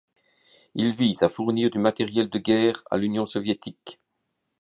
Il vise à fournir du matériel de guerre à l'Union soviétique.